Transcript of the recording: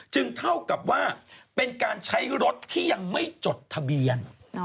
เท่ากับว่าเป็นการใช้รถที่ยังไม่จดทะเบียน